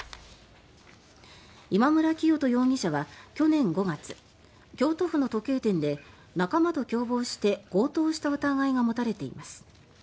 今村磨人容疑者は去年５月京都府の時計店で仲間と共謀して強盗した疑いが持たれています。